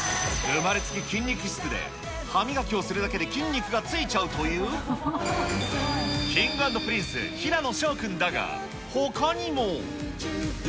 生まれつき筋肉質で歯磨きをするだけで筋肉がついちゃうという、Ｋｉｎｇ＆Ｐｒｉｎｃｅ・平野紫耀君だが、ほかにも。